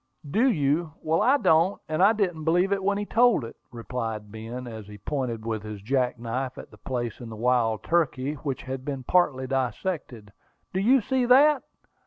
"Do you? Well, I don't; and I didn't believe it when he told it," replied Ben, as he pointed with his jack knife at a place in the wild turkey which he had partly dissected. "Do you see that?"